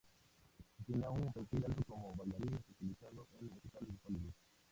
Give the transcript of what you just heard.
Tenía un perfil alto como bailarín especializado en musicales de Hollywood.